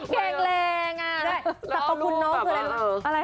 เกงแรงอะแบบนึงกับเอ่อ